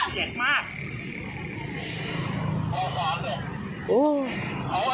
คนข้ำใบมันล่ะ